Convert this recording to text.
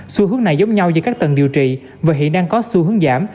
xu hướng này giống nhau giữa các tầng điều trị và hiện đang có xu hướng giảm